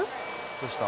どうした？